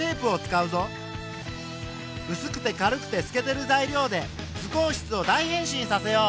うすくて軽くてすけてる材料で図工室を大変身させよう。